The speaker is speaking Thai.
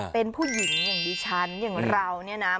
เป็นผู้หญิงอย่างดิฉันอย่างเราเนี่ยนะ